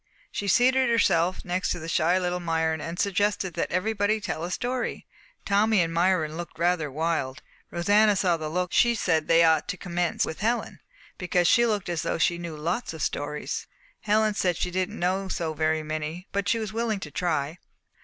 She seated herself next the shy little Myron and suggested that everybody should tell a story. Tommy and Myron looked rather wild. Rosanna saw the look, and said that she thought they ought to commence with Helen, because she looked as though she knew lots of stories. Helen said she didn't know so very many, but she was willing to try.